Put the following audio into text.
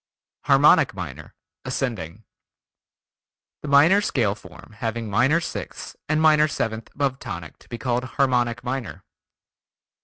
Harmonic Minor (ascending) The minor scale form having minor sixth and major seventh above tonic to be called Harmonic Minor.